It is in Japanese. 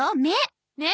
めっ？